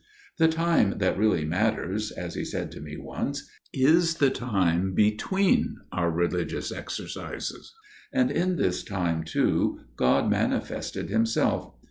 The time that really matters, as he said to me once, is the time between our religious exercises; and in this time, too, God manifested Himself.